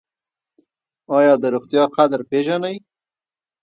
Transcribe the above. ایا د روغتیا قدر پیژنئ؟